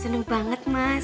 seneng banget mas